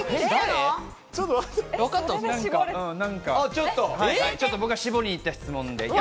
ちょっと僕は絞りにいった質問で。